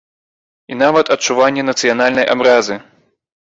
І нават адчуванне нацыянальнай абразы.